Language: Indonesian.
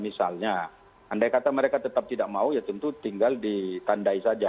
misalnya andai kata mereka tetap tidak mau ya tentu tinggal ditandai saja